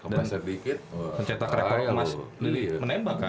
dan mencetak rekor emas menembak kan